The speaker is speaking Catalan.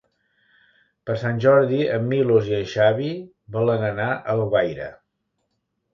Per Sant Jordi en Milos i en Xavi volen anar a Alguaire.